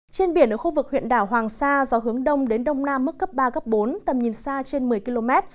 trên biển ở khu vực huyện đảo hoàng sa gió hướng đông đến đông nam mức cấp ba cấp bốn tầm nhìn xa trên một mươi km